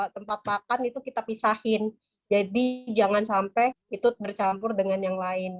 tempat makan itu kita pisahin jadi jangan sampai itu bercampur dengan yang lain